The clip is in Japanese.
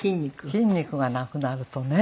筋肉がなくなるとね。